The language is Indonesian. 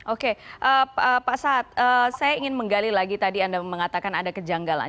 oke pak sahat saya ingin menggali lagi tadi anda mengatakan ada kejanggalan